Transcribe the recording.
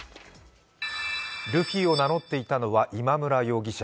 ルフィを名乗っていたのは今村容疑者。